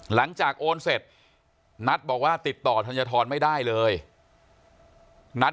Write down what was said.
หลังจากโอนเสร็จนัดบอกว่าติดต่อทันตระทอนไม่ได้เลยนัก